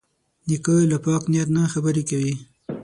نیکه له پاک نیت نه خبرې کوي.